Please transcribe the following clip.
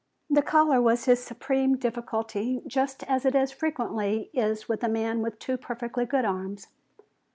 The collar was his supreme difficulty, just as it frequently is with a man with two perfectly good arms.